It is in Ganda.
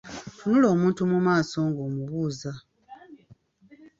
Tunula omuntu mu maaso ng'omubuuza.